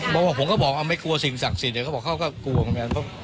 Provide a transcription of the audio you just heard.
บอกว่าผมก็บอกว่าไม่กลัวสิ่งศักดิ์สิทธิศสิทธิ์เค้าก็กลัวมาเลยนะครับ